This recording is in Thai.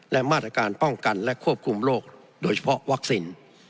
และมาตรการป้องกันและควบคุมโรคโดยเฉพาะวัคซีน